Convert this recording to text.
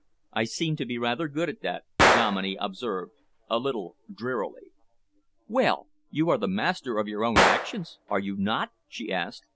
"I seem to be rather good at that," Dominey observed a little drearily. "Well, you are the master of your own actions, are you not?" she asked.